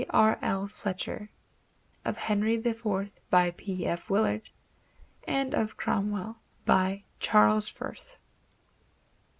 R. L. Fletcher; of Henry IV, by P. F. Willert, and of Cromwell, by Charles Firth.